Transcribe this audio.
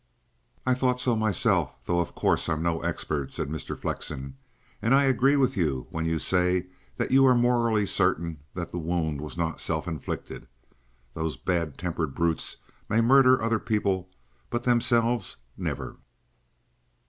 "I thought so myself, though of course I'm no expert," said Mr. Flexen. "And I agree with you when you say that you are morally certain that the wound was not self inflicted. Those bad tempered brutes may murder other people, but themselves never."